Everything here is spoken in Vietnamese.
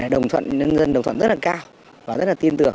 đồng thuận nhân dân đồng thuận rất là cao và rất là tin tưởng